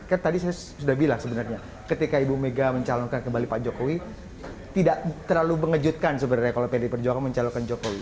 kan tadi saya sudah bilang sebenarnya ketika ibu mega mencalonkan kembali pak jokowi tidak terlalu mengejutkan sebenarnya kalau pd perjuangan mencalonkan jokowi